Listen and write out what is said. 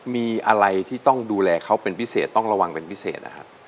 มีอะไรที่ต้องดูแลเขาเป็นพิเศษต้องระวังเป็นพิเศษนะครับ